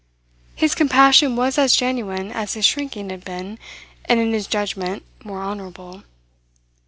His compassion was as genuine as his shrinking had been, and in his judgement more honourable.